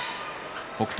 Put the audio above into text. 北勝